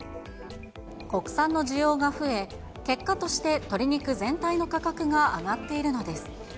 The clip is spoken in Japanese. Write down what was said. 国産の需要が増え、結果として鶏肉全体の価格が上がっているのです。